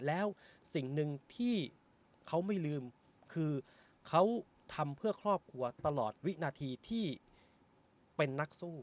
แล้วสิ่งหนึ่งที่เขาไม่ลืมคือเขาทำเพื่อครอบครัวตลอดวินาทีที่เป็นนักสู้